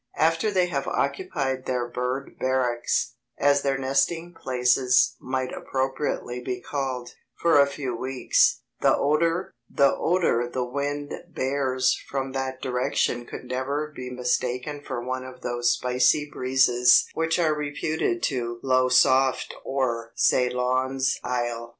After they have occupied their bird barracks, as their nesting places might appropriately be called, for a few weeks, the odour the wind bears from that direction could never be mistaken for one of those spicy breezes which are reputed to "blow soft o'er Ceylon's isle."